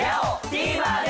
ＴＶｅｒで！